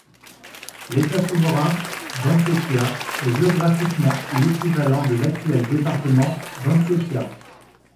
L'État souverain d'Antioquia est géographiquement l'équivalent de l'actuel département d'Antioquia.